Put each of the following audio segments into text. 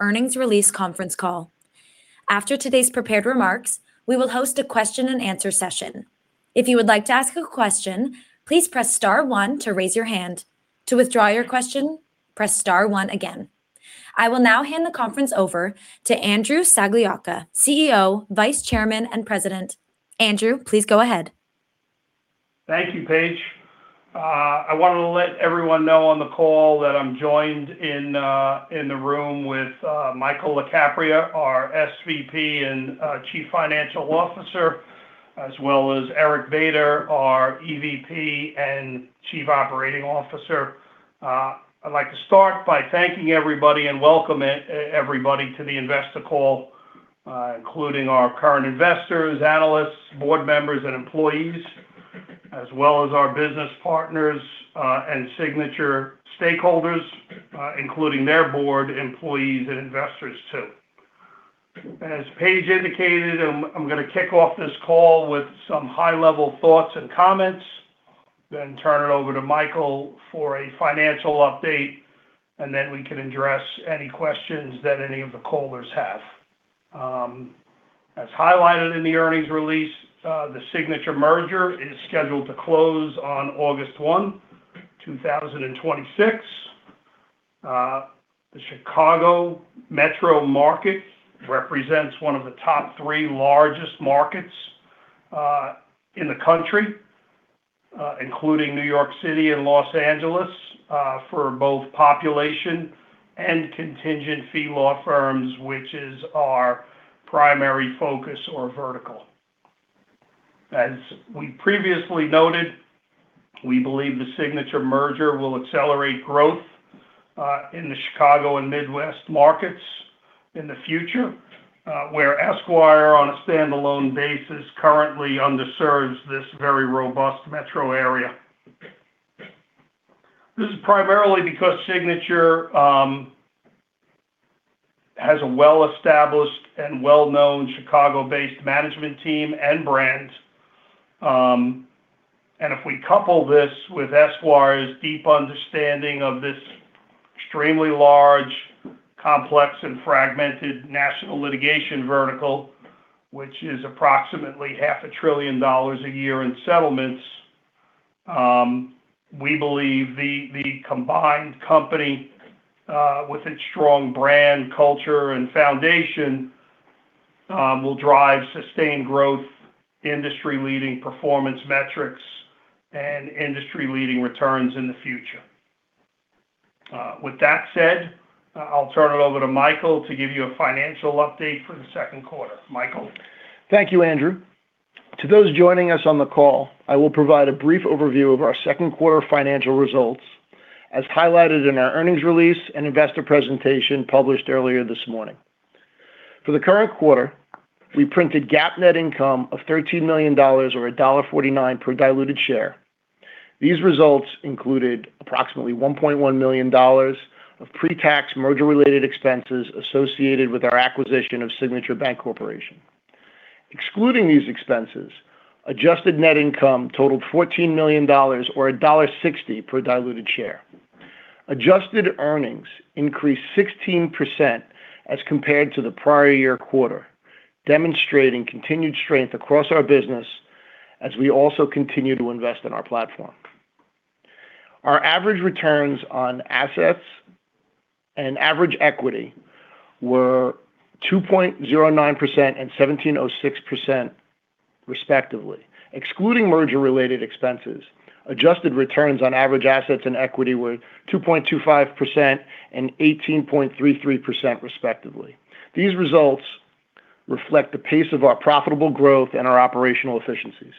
Earnings release conference call. After today's prepared remarks, we will host a question-and-answer session. If you would like to ask a question, please press star one to raise your hand. To withdraw your question, press star one again. I will now hand the conference over to Andrew Sagliocca, CEO, Vice Chairman, and President. Andrew, please go ahead. Thank you, Paige. I wanted to let everyone know on the call that I'm joined in the room with Michael Lacapria, our SVP and Chief Financial Officer, as well as Eric Bader, our EVP and Chief Operating Officer. I'd like to start by thanking everybody and welcoming everybody to the investor call including our current investors, analysts, board members, and employees, as well as our business partners and Signature stakeholders including their board, employees, and investors too. As Paige indicated, I'm going to kick off this call with some high-level thoughts and comments, then turn it over to Michael for a financial update, then we can address any questions that any of the callers have. As highlighted in the earnings release, the Signature merger is scheduled to close on August 1, 2026. The Chicago metro market represents one of the top three largest markets in the country including New York City and Los Angeles for both population and contingent fee law firms, which is our primary focus or vertical. As we previously noted, we believe the Signature merger will accelerate growth in the Chicago and Midwest markets in the future where Esquire, on a standalone basis, currently underserves this very robust metro area. This is primarily because Signature has a well-established and well-known Chicago-based management team and brand. If we couple this with Esquire's deep understanding of this extremely large, complex, and fragmented national litigation vertical, which is approximately half a trillion dollars a year in settlements, we believe the combined company with its strong brand, culture, and foundation will drive sustained growth, industry-leading performance metrics, and industry-leading returns in the future. With that said, I'll turn it over to Michael to give you a financial update for the second quarter. Michael? Thank you, Andrew. To those joining us on the call, I will provide a brief overview of our second quarter financial results as highlighted in our earnings release and investor presentation published earlier this morning. For the current quarter, we printed GAAP net income of $13 million or $1.49 per diluted share. These results included approximately $1.1 million of pre-tax merger-related expenses associated with our acquisition of Signature Bancorporation Inc.. Excluding these expenses, adjusted net income totaled $14 million or $1.60 per diluted share. Adjusted earnings increased 16% as compared to the prior year quarter, demonstrating continued strength across our business as we also continue to invest in our platform. Our average returns on assets and average equity were 2.09% and 17.06% respectively. Excluding merger-related expenses, adjusted returns on average assets and equity were 2.25% and 18.33% respectively. These results reflect the pace of our profitable growth and our operational efficiencies.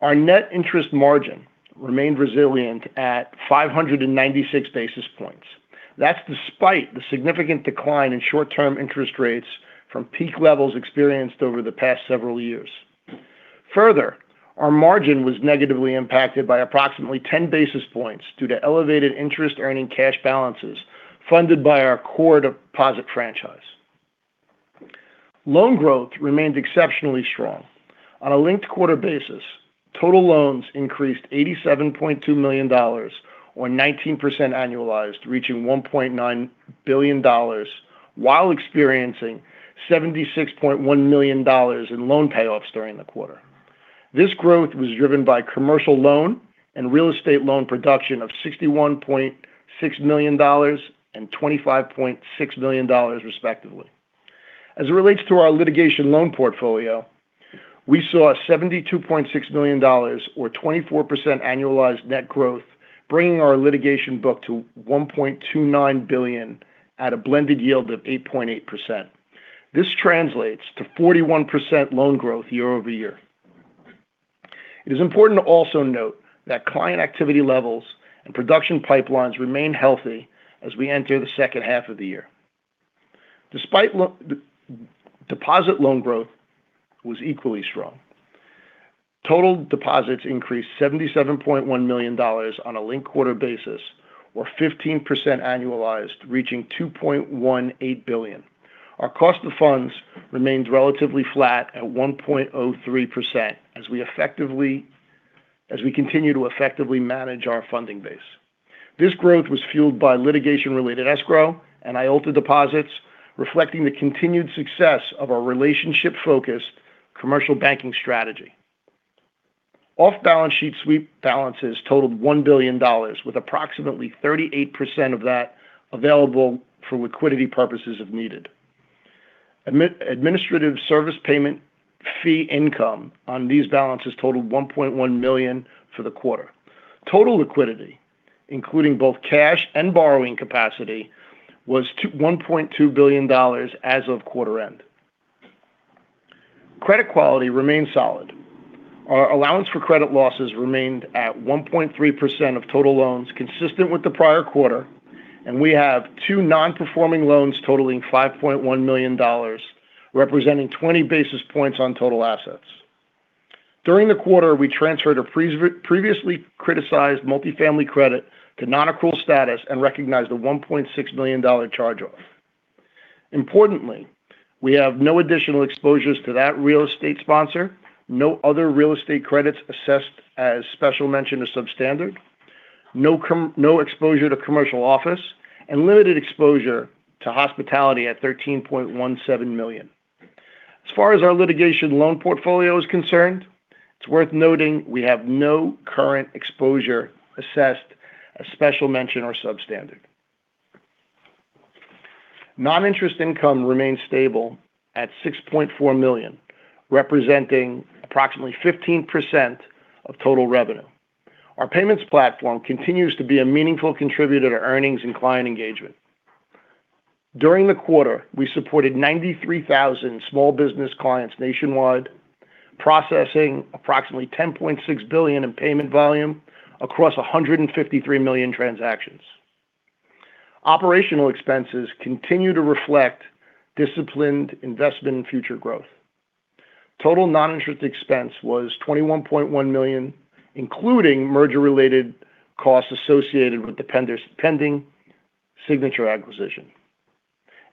Our net interest margin remained resilient at 596 basis points. That's despite the significant decline in short-term interest rates from peak levels experienced over the past several years. Further, our margin was negatively impacted by approximately 10 basis points due to elevated interest-earning cash balances funded by our core deposit franchise. Loan growth remained exceptionally strong. On a linked-quarter basis, total loans increased $87.2 million or 19% annualized, reaching $1.9 billion while experiencing $76.1 million in loan payoffs during the quarter. This growth was driven by commercial loan and real estate loan production of $61.6 million and $25.6 million respectively. As it relates to our litigation loan portfolio, we saw a $72.6 million or 24% annualized net growth, bringing our litigation book to $1.29 billion at a blended yield of 8.8%. This translates to 41% loan growth year-over-year. It is important to also note that client activity levels and production pipelines remain healthy as we enter the second half of the year. Deposit loan growth was equally strong. Total deposits increased $77.1 million on a linked-quarter basis or 15% annualized, reaching $2.18 billion. Our cost of funds remained relatively flat at 1.03% as we continue to effectively manage our funding base. This growth was fueled by litigation-related escrow and IOLTA deposits reflecting the continued success of our relationship focus commercial banking strategy. Off-balance sheet sweep balances totaled $1 billion, with approximately 38% of that available for liquidity purposes if needed. Administrative service payment fee income on these balances totaled $1.1 million for the quarter. Total liquidity, including both cash and borrowing capacity, was $1.2 billion as of quarter end. Credit quality remains solid. Our allowance for credit losses remained at 1.3% of total loans consistent with the prior quarter. We have two non-performing loans totaling $5.1 million, representing 20 basis points on total assets. During the quarter, we transferred a previously criticized multifamily credit to non-accrual status and recognized a $1.6 million charge-off. Importantly, we have no additional exposures to that real estate sponsor, no other real estate credits assessed as special mention of substandard, no exposure to commercial office, and limited exposure to hospitality at $13.17 million. As far as our litigation loan portfolio is concerned, it's worth noting we have no current exposure assessed as special mention or substandard. Non-interest income remains stable at $6.4 million, representing approximately 15% of total revenue. Our payments platform continues to be a meaningful contributor to earnings and client engagement. During the quarter, we supported 93,000 small business clients nationwide, processing approximately $10.6 billion in payment volume across 153 million transactions. Operational expenses continue to reflect disciplined investment in future growth. Total non-interest expense was $21.1 million, including merger-related costs associated with the pending Signature acquisition.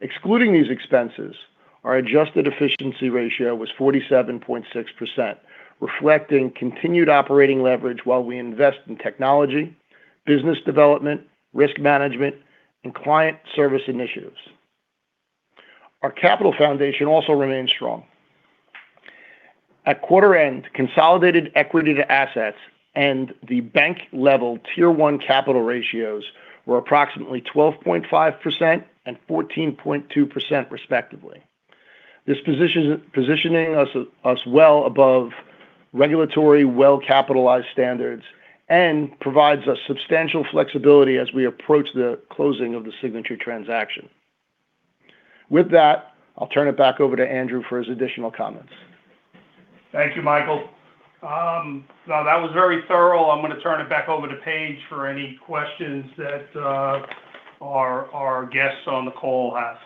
Excluding these expenses, our adjusted efficiency ratio was 47.6%, reflecting continued operating leverage while we invest in technology, business development, risk management, and client service initiatives. Our capital foundation also remains strong. At quarter end, consolidated equity to assets and the bank-level Tier 1 capital ratios were approximately 12.5% and 14.2% respectively. This positioning us well above regulatory well-capitalized standards and provides us substantial flexibility as we approach the closing of the Signature transaction. With that, I'll turn it back over to Andrew for his additional comments. Thank you, Michael. That was very thorough. I'm going to turn it back over to Paige for any questions that our guests on the call have.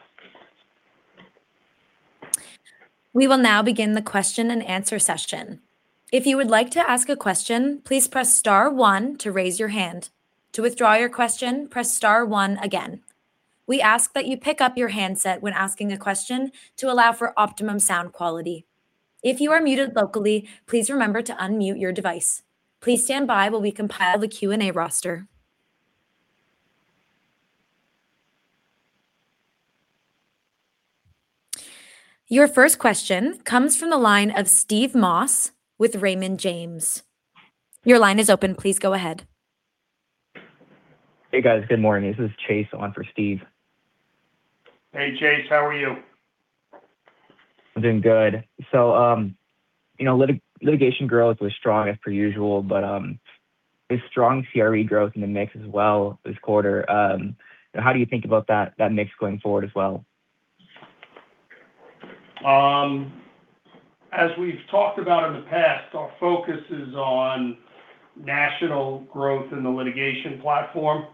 We will now begin the question-and-answer session. If you would like to ask a question, please press star one to raise your hand. To withdraw your question, press star one again. We ask that you pick up your handset when asking a question to allow for optimum sound quality. If you are muted locally, please remember to unmute your device. Please stand by while we compile the Q&A roster. Your first question comes from the line of Steve Moss with Raymond James. Your line is open. Please go ahead. Hey, guys. Good morning. This is Chase on for Steve. Hey, Chase. How are you? I'm doing good. Litigation growth was strong as per usual, but there's strong CRE growth in the mix as well this quarter. How do you think about that mix going forward as well? As we've talked about in the past, our focus is on national growth in the litigation platform.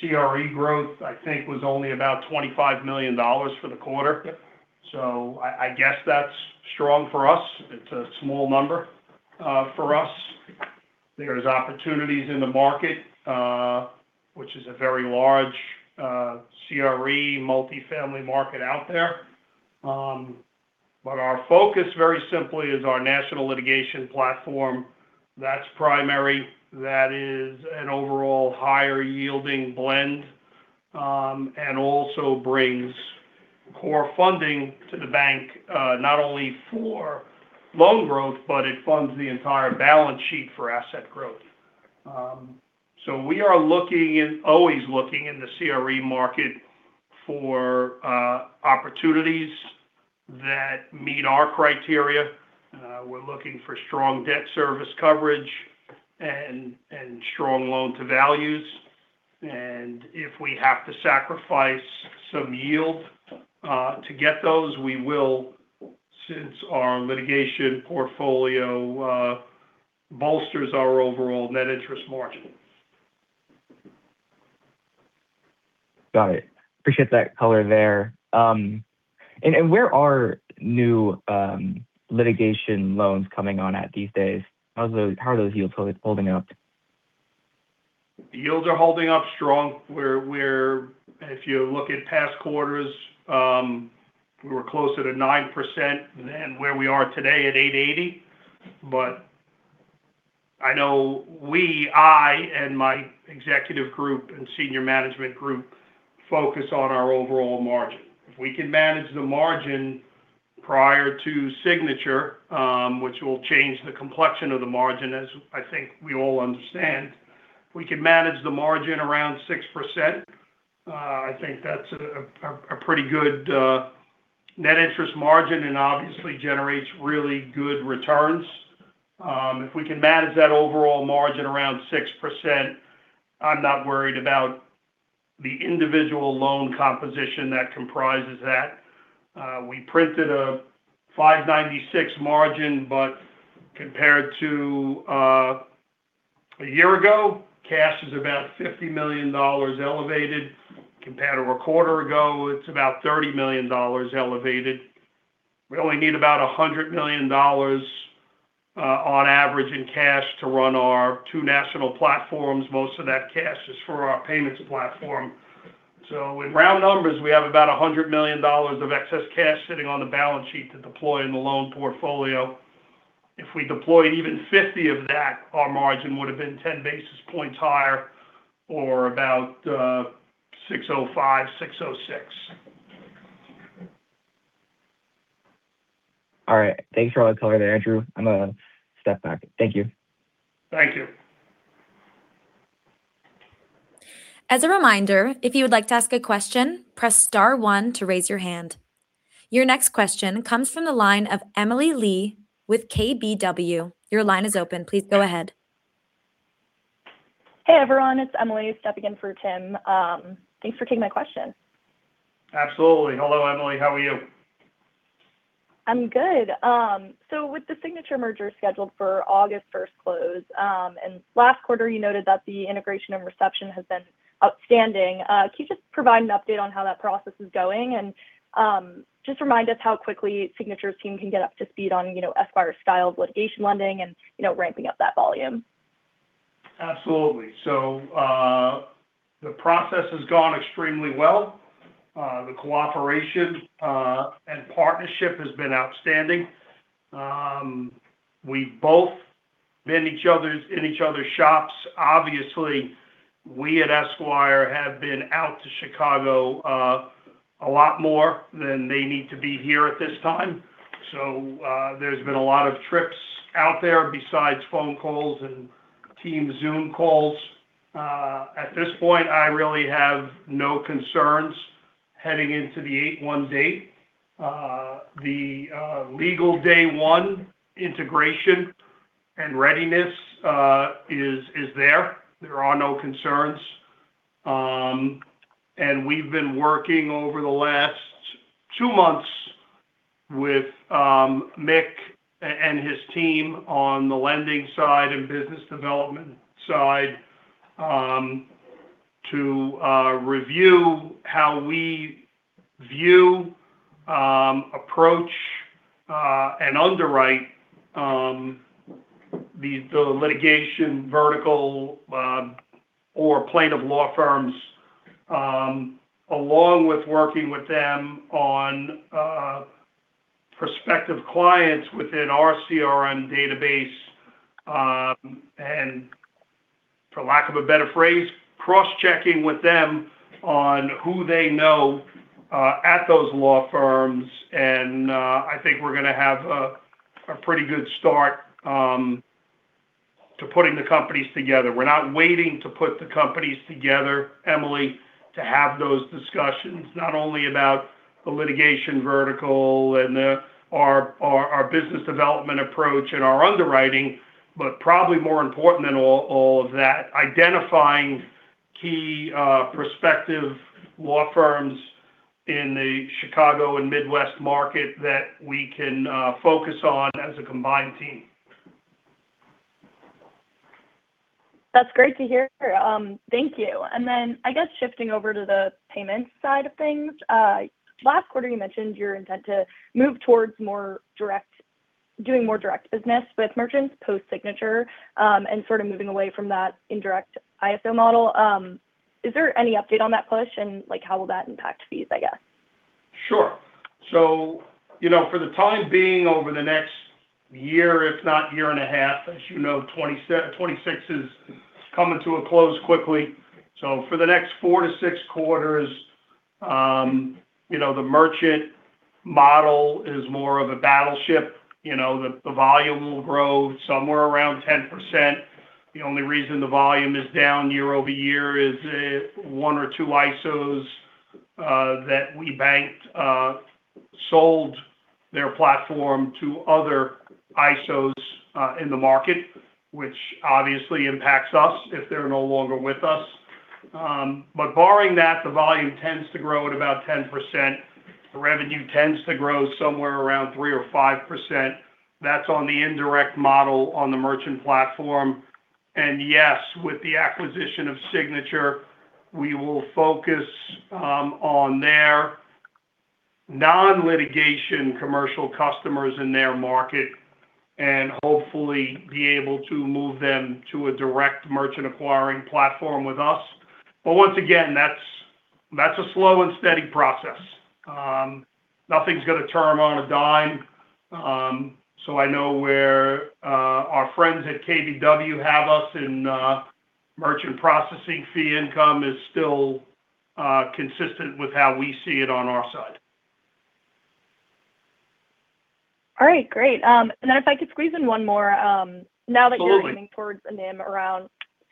CRE growth, I think, was only about $25 million for the quarter. I guess that's strong for us. It's a small number for us. There's opportunities in the market, which is a very large CRE multifamily market out there. Our focus very simply is our national litigation platform. That's primary. That is an overall higher-yielding blend. Also brings core funding to the bank, not only for loan growth, but it funds the entire balance sheet for asset growth. We are always looking in the CRE market for opportunities that meet our criteria. We're looking for strong debt service coverage and strong loan to values. If we have to sacrifice some yield to get those, we will, since our litigation portfolio bolsters our overall net interest margin. Got it. Appreciate that color there. Where are new litigation loans coming on at these days? How are those yields holding up? Yields are holding up strong. If you look at past quarters, we were closer to 9% than where we are today at 880. I know we, I and my executive group and senior management group, focus on our overall margin. If we can manage the margin prior to Signature, which will change the complexion of the margin as I think we all understand, if we can manage the margin around 6%, I think that's a pretty good net interest margin and obviously generates really good returns. If we can manage that overall margin around 6%, I'm not worried about the individual loan composition that comprises that. We printed a 596 margin, compared to a year ago, cash is about $50 million elevated. Compared to a quarter ago, it's about $30 million elevated. We only need about $100 million on average in cash to run our two national platforms. Most of that cash is for our payments platform. In round numbers, we have about $100 million of excess cash sitting on the balance sheet to deploy in the loan portfolio. If we deployed even 50 of that, our margin would've been 10 basis points higher or about 605, 606. All right. Thanks for all the color there, Andrew. I'm going to step back. Thank you. Thank you. As a reminder, if you would like to ask a question, press star one to raise your hand. Your next question comes from the line of Emily Lee with KBW. Your line is open. Please go ahead. Hey, everyone, it's Emily stepping in for Tim. Thanks for taking my question. Absolutely. Hello, Emily. How are you? I'm good. With the Signature merger scheduled for August 1st close, and last quarter you noted that the integration and reception has been outstanding. Can you just provide an update on how that process is going? Just remind us how quickly Signature's team can get up to speed on Esquire's style of litigation lending and ramping up that volume. Absolutely. The process has gone extremely well. The cooperation and partnership has been outstanding. We've both been in each other's shops. Obviously, we at Esquire have been out to Chicago a lot more than they need to be here at this time. There's been a lot of trips out there besides phone calls and Teams, Zoom calls. At this point, I really have no concerns heading into the 8/1 date. The legal day one integration and readiness is there. There are no concerns. We've been working over the last two months with Mick and his team on the lending side and business development side to review how we view, approach, and underwrite the litigation vertical or plaintiff law firms. Along with working with them on prospective clients within our CRM database. For lack of a better phrase, cross-checking with them on who they know at those law firms. I think we're going to have a pretty good start to putting the companies together. We're not waiting to put the companies together, Emily, to have those discussions, not only about the litigation vertical and our business development approach and our underwriting, but probably more important than all of that, identifying key prospective law firms in the Chicago and Midwest market that we can focus on as a combined team. That's great to hear. Thank you. I guess shifting over to the payments side of things. Last quarter, you mentioned your intent to move towards doing more direct business with merchants post-Signature, and sort of moving away from that indirect ISO model. Is there any update on that push, and how will that impact fees, I guess? Sure. For the time being over the next year, if not year and a half, as you know, 2026 is coming to a close quickly. For the next four to six quarters, the merchant model is more of a battleship. The volume will grow somewhere around 10%. The only reason the volume is down year-over-year is one or two ISOs that we banked sold their platform to other ISOs in the market, which obviously impacts us if they're no longer with us. Barring that, the volume tends to grow at about 10%. The revenue tends to grow somewhere around 3% or 5%. That's on the indirect model on the merchant platform. Yes, with the acquisition of Signature, we will focus on their non-litigation commercial customers in their market and hopefully be able to move them to a direct merchant acquiring platform with us. Once again, that's a slow and steady process. Nothing's going to turn on a dime. I know where our friends at KBW have us in merchant processing fee income is still consistent with how we see it on our side. All right. Great. If I could squeeze in one more. Absolutely. Now that you're leaning towards a NIM around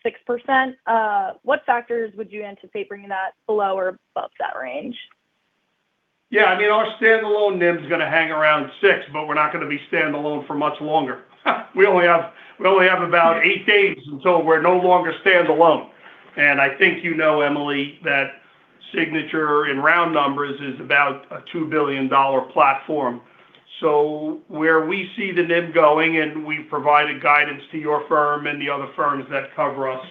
6%, what factors would you anticipate bringing that below or above that range? Yeah. Our standalone NIM is going to hang around 6%, we're not going to be standalone for much longer. We only have about eight days until we're no longer standalone. I think you know, Emily, that Signature, in round numbers, is about a $2 billion platform. Where we see the NIM going, and we've provided guidance to your firm and the other firms that cover us,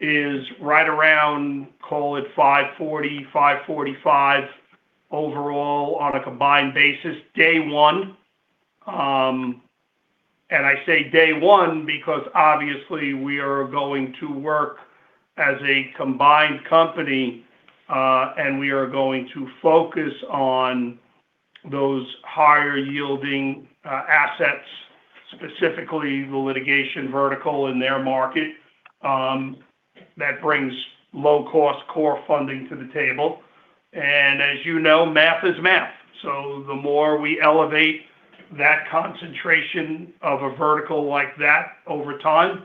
is right around, call it 540, 545 overall on a combined basis, day one. I say day one because obviously we are going to work as a combined company, we are going to focus on those higher-yielding assets, specifically the litigation vertical in their market, that brings low-cost core funding to the table. As you know, math is math. The more we elevate that concentration of a vertical like that over time,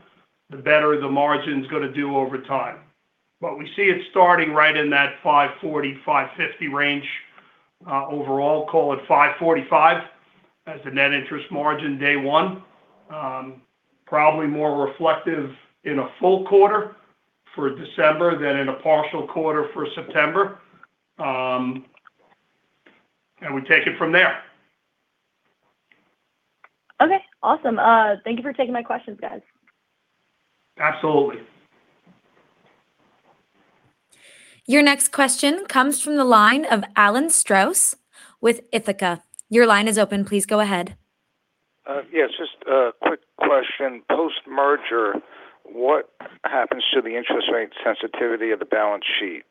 the better the margin's going to do over time. We see it starting right in that 540, 550 range overall. Call it 545 as the net interest margin day one. Probably more reflective in a full quarter for December than in a partial quarter for September. We take it from there. Okay. Awesome. Thank you for taking my questions, guys. Absolutely. Your next question comes from the line of Alan Strauss with Ithaca. Your line is open. Please go ahead. Yes. Just a quick question. Post-merger, what happens to the interest rate sensitivity of the balance sheet?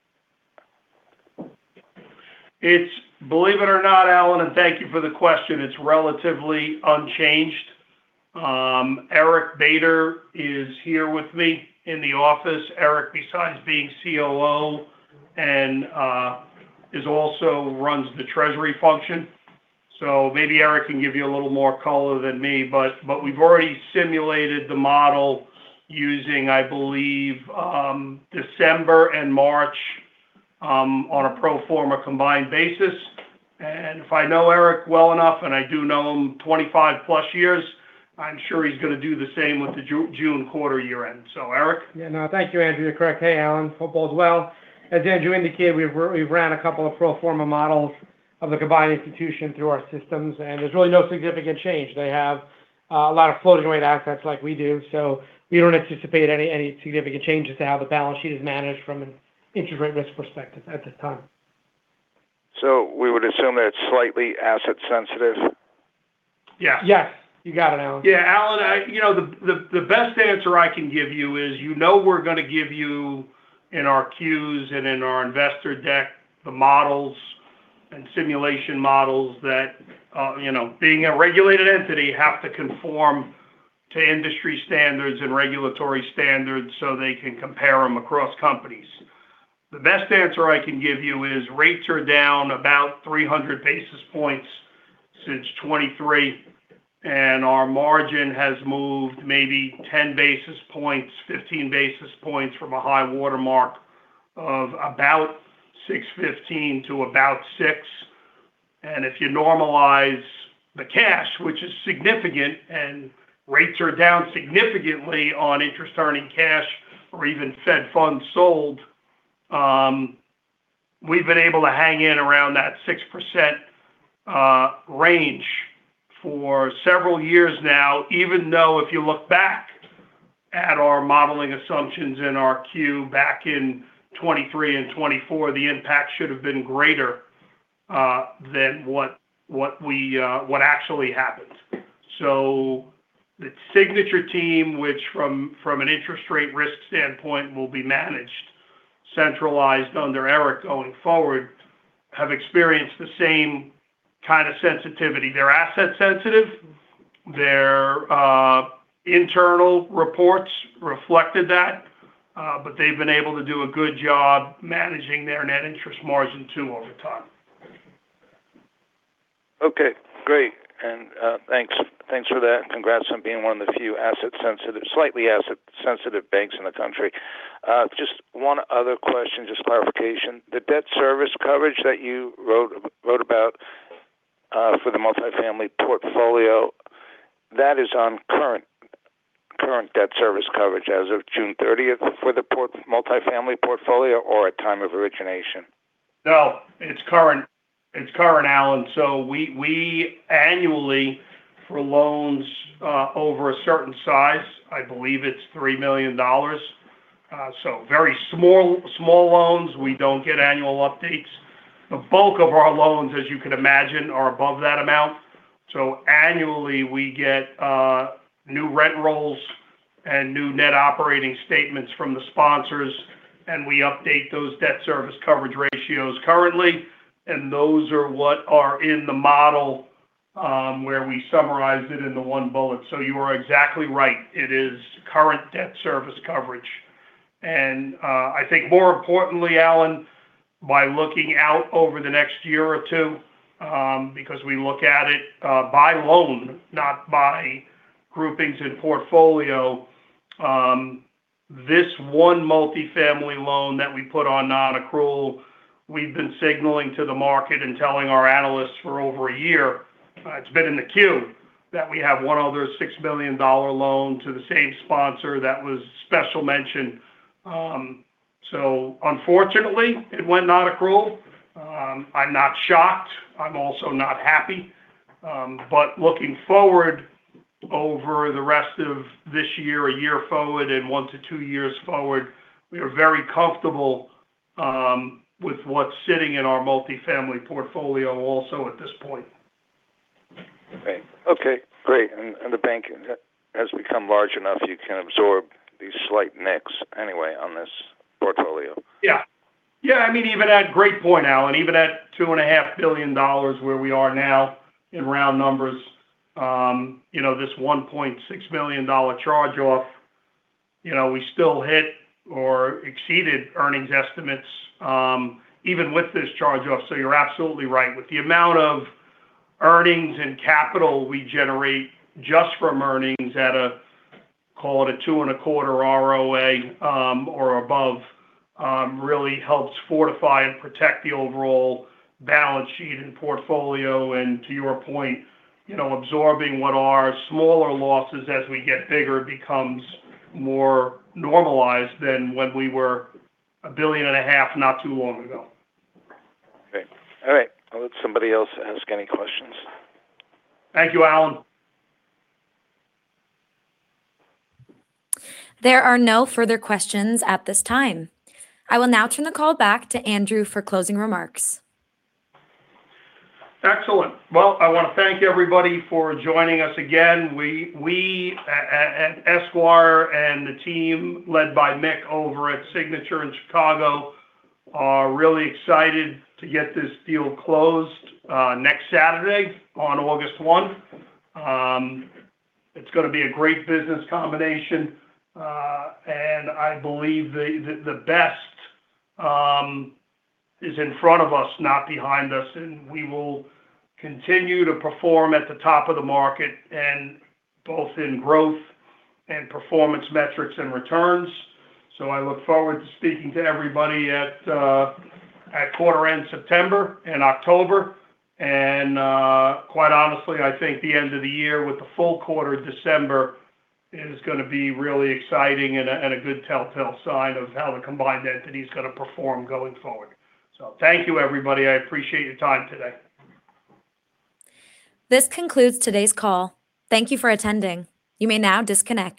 Believe it or not, Alan, and thank you for the question, it's relatively unchanged. Eric Bader is here with me in the office. Eric, besides being COO and also runs the treasury function. Maybe Eric can give you a little more color than me, but we've already simulated the model using, I believe, December and March on a pro forma combined basis. If I know Eric well enough, and I do know him 25+ years, I'm sure he's going to do the same with the June quarter year-end. Eric? Yeah, no. Thank you, Andrew. You're correct. Hey, Alan. Hope all is well. As Andrew indicated, we've run a couple of pro forma models of the combined institution through our systems, there's really no significant change. They have a lot of floating-rate assets like we do, we don't anticipate any significant changes to how the balance sheet is managed from an interest rate risk perspective at this time. We would assume that it's slightly asset sensitive? Yeah. Yes. You got it, Alan. Yeah, Alan, the best answer I can give you is you know we're going to give you in our Qs and in our investor deck the models and simulation models that, being a regulated entity, have to conform to industry standards and regulatory standards so they can compare them across companies. The best answer I can give you is rates are down about 300 basis points since 2023. Our margin has moved maybe 10 basis points, 15 basis points from a high watermark of about 615 to about six. If you normalize the cash, which is significant, and rates are down significantly on interest earning cash or even Fed funds sold, we've been able to hang in around that 6% range for several years now, even though if you look back at our modeling assumptions in our Q back in 2023 and 2024, the impact should have been greater than what actually happened. The Signature team, which from an interest rate risk standpoint will be managed, centralized under Eric going forward, have experienced the same kind of sensitivity. They're asset sensitive. Their internal reports reflected that. They've been able to do a good job managing their net interest margin too over time. Okay. Great. Thanks for that. Congrats on being one of the few slightly asset sensitive banks in the country. Just one other question, just clarification. The debt service coverage that you wrote about for the multifamily portfolio, that is on current debt service coverage as of June 30th for the multifamily portfolio or at time of origination? No. It's current, Alan. We annually, for loans over a certain size, I believe it's $3 million. Very small loans, we don't get annual updates. The bulk of our loans, as you can imagine, are above that amount. Annually, we get new rent rolls and new net operating statements from the sponsors, and we update those debt service coverage ratios currently, and those are what are in the model, where we summarize it in the one bullet. You are exactly right. It is current debt service coverage. I think more importantly, Alan, by looking out over the next year or two, because we look at it by loan, not by groupings in portfolio, this one multifamily loan that we put on non-accrual, we've been signaling to the market and telling our analysts for over a year, it's been in the queue, that we have one other $6 million loan to the same sponsor that was special mention. Unfortunately, it went non-accrual. I'm not shocked. I'm also not happy. Looking forward over the rest of this year, a year forward and one to two years forward, we are very comfortable with what's sitting in our multifamily portfolio also at this point. Okay, great. The bank has become large enough, you can absorb these slight nicks anyway on this portfolio. Yeah. I mean, great point, Alan. Even at $2.5 billion where we are now in round numbers, this $1.6 million charge-off, we still hit or exceeded earnings estimates, even with this charge-off. You're absolutely right. With the amount of earnings and capital we generate just from earnings at a, call it a two and a quarter ROA, or above, really helps fortify and protect the overall balance sheet and portfolio. To your point, absorbing what are smaller losses as we get bigger becomes more normalized than when we were a billion and a half not too long ago. Okay. All right. I'll let somebody else ask any questions. Thank you, Alan. There are no further questions at this time. I will now turn the call back to Andrew for closing remarks. Excellent. Well, I want to thank everybody for joining us again. We at Esquire and the team led by Mick over at Signature in Chicago are really excited to get this deal closed next Saturday on August 1. I believe the best is in front of us, not behind us, and we will continue to perform at the top of the market and both in growth and performance metrics and returns. I look forward to speaking to everybody at quarter end September and October. Quite honestly, I think the end of the year with the full quarter December is going to be really exciting and a good telltale sign of how the combined entity is going to perform going forward. Thank you, everybody. I appreciate your time today. This concludes today's call. Thank you for attending. You may now disconnect.